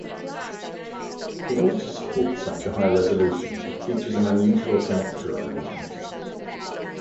In order to support such a high resolution, it features an unusual connector arrangement.